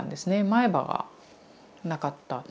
前歯がなかった。